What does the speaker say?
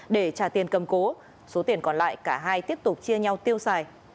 để trả tiền cầm cố số tiền còn lại cả hai tiếp tục chia nhau tiêu xài